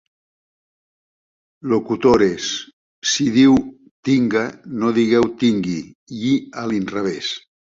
Locutores, si diu 'tinga' no digueu 'tingui', i a l'inrevès.